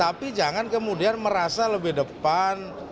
tapi jangan kemudian merasa lebih depan